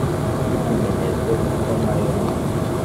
n’ikimenyetso gukoma yombi